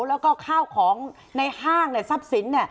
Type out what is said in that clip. แล้วก็ข้าวของในห้างทรัพย์สิน